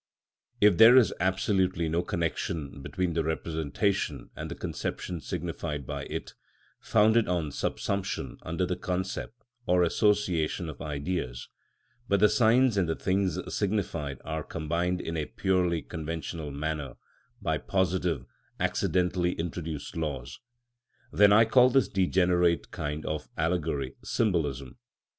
If there is absolutely no connection between the representation and the conception signified by it, founded on subsumption under the concept, or association of Ideas; but the signs and the things signified are combined in a purely conventional manner, by positive, accidentally introduced laws; then I call this degenerate kind of allegory Symbolism.